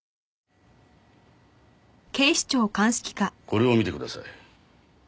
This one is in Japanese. これを見てください。